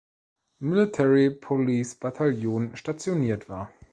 Military Police Battalion stationiert war.